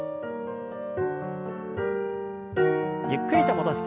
ゆっくりと戻して。